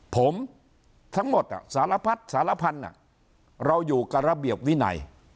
ผมทั้งหมดสารพัดสารพันธุ์เราอยู่กับระเบียบวินัย